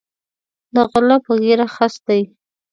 د غلۀ پۀ ږیره خس دی